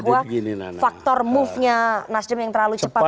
bahwa faktor move nya nasdem yang terlalu cepat